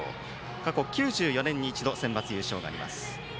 過去９４年に一度センバツ優勝があります。